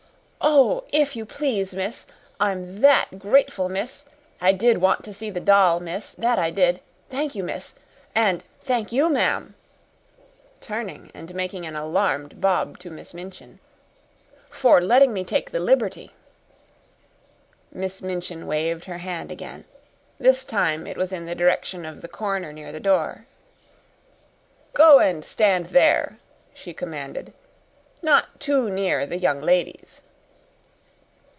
"Oh, if you please, miss! I'm that grateful, miss! I did want to see the doll, miss, that I did. Thank you, miss. And thank you, ma'am," turning and making an alarmed bob to Miss Minchin "for letting me take the liberty." Miss Minchin waved her hand again this time it was in the direction of the corner near the door. "Go and stand there," she commanded. "Not too near the young ladies."